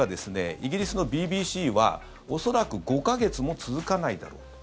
イギリスのＢＢＣは恐らく５か月も続かないだろう。